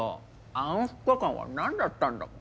あの２日間はなんだったんだ。